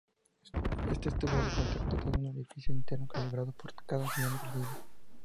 Este tubo de contacto tiene su orificio interior calibrado para cada diámetro de hilo.